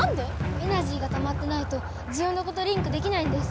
エナジーがたまってないとジオノコとリンクできないんです！